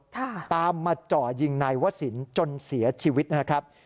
ตามมาจ่อยิงนายวศิลป์จนเสียชีวิตนะครับ